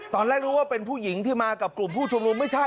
ตอนแรกรู้ว่าเป็นผู้หญิงที่มากับกลุ่มผู้ชุมนุมไม่ใช่